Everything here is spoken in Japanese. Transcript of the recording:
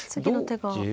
次の手が。